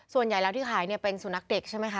ส่วนใหญ่แล้วที่ขายเนี่ยเป็นสุนัขเด็กใช่ไหมคะ